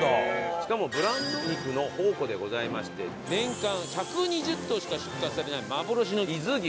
しかもブランド肉の宝庫でございまして年間１２０頭しか出荷されない幻の伊豆牛。